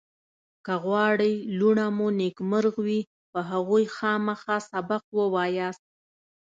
که غواړئ لوڼه مو نېکمرغ وي په هغوی خامخا سبق ووایاست